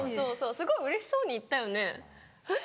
すごいうれしそうに行ったよね。